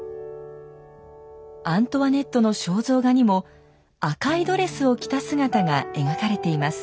アントワネットの肖像画にも赤いドレスを着た姿が描かれています。